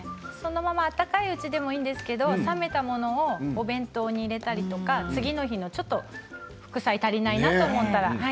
温かいうちでもいいんですけど、冷めたものをお弁当に入れたりとか次の日のちょっと副菜が足りないなと思ったら。